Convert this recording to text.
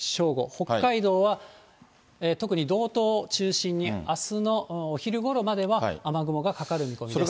北海道は特に道東中心に、あすのお昼ごろまでは雨雲がかかる見込みです。